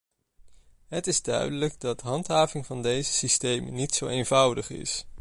Het is duidelijk dat handhaving van deze systemen niet zo eenvoudig is.